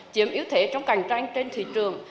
chiếm yếu thể trong cạnh tranh trên thị trường